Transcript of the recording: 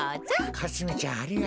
かすみちゃんありがとう。